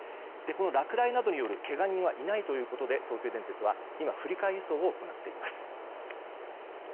落雷などによるけが人はいないということで東急電鉄は今振り替え輸送を行っています。